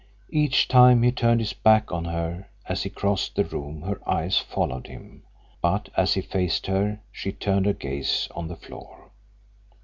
Each time he turned his back on her as he crossed the room her eyes followed him, but as he faced her she turned her gaze on the floor.